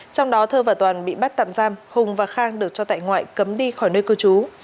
trong đó thơ và toàn bị bắt tạm giam hùng và khang được cho tại ngoại cấm đi khỏi nơi cư trú